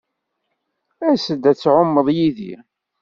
As-d ad tɛummeḍ yid-i.